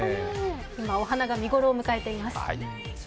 今、お花が見頃を迎えています。